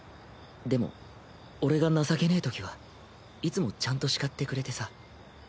でも俺が情けねぇときはいつもちゃんと叱ってくれてさ。